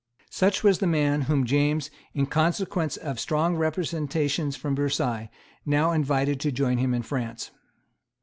Such was the man whom James, in consequence of strong representations from Versailles, now invited to join him in France.